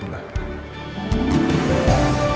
terima kasih juga pak